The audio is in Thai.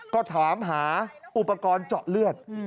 ก็ถามหาอุปกรณ์เจาะเลือด